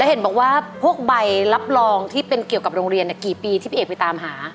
เห็นบอกว่าพวกใบรับรองที่เป็นเกี่ยวกับโรงเรียนกี่ปีที่พี่เอกไปตามหา